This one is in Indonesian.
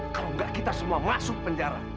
kalau enggak kita semua masuk penjara